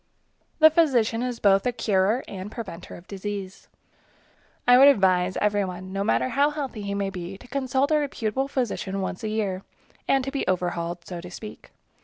The physician is both a curer and preventor of disease. I would advise every one, no matter how healthy he may be, to consult a reputable physician once a year, and to be overhauled, so to speak.